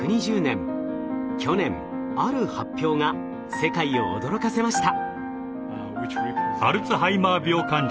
去年ある発表が世界を驚かせました。